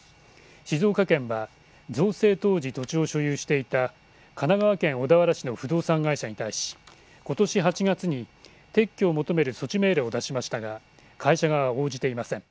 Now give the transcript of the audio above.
静岡県は造成当時、土地を所有していた神奈川県小田原市の不動産会社に対しことし８月に撤去を求める措置命令を出しましたが会社側は応じていません。